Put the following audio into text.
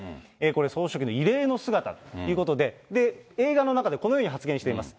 これ、総書記の異例の姿ということで、映画の中でこのように発言しています。